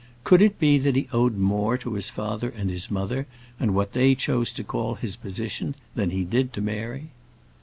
Could it be that he owed more to his father and his mother, and what they chose to call his position, than he did to Mary?